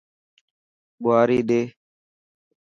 ٻواري ڏي.